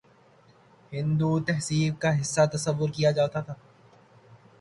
ہندو تہذیب کا حصہ تصور کیا جاتا تھا